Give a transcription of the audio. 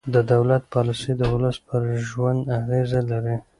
د دولت پالیسۍ د ولس پر ژوند اغېز لري